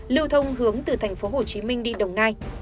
lưu thông hướng từ thành phố hồ chí minh đi đồng nai